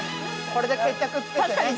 これで決着つけてね。